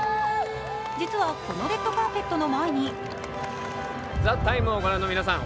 実はこのレッドカーペットの前に。